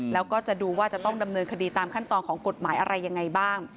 แล้วก็จะดูว่าจะต้องดำเนินคดีตามขั้นตอนของกฎหมายอะไรยังไงบ้าง